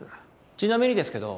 ちなみにですけど